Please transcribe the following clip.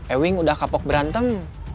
ewing udah kapok berantem